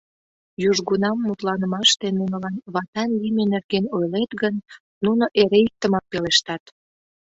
Южгунам мутланымаште нунылан ватан лийме нерген ойлет гын, нуно эре иктымак пелештат: